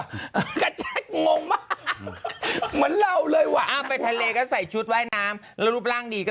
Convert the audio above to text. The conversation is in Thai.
ว่างงมากมันเราเลยวะไปทะเลก็ใส่ชุดว่ายน้ำรูปร่างดีก็